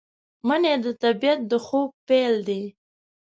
منی د طبیعت د خوب پیل دی